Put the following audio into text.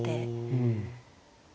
うん。